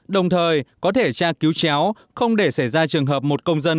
đồng thời có thể tra cứu chéo không để xảy ra trường hợp một công dân